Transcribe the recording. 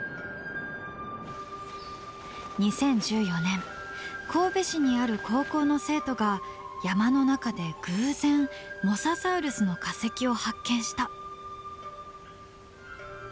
２０１４年神戸市にある高校の生徒が山の中で偶然モササウルスの化石を発見した。